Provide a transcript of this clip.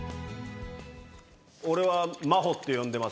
俺は真帆って呼んでます。